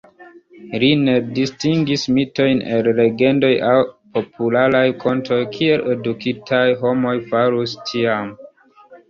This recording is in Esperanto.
Li ne distingis mitojn el legendoj aŭ popularaj kontoj kiel edukitaj homoj farus tiam.